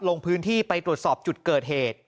ลงพื้นที่ไปตรวจสอบจุดเกิดเหตุ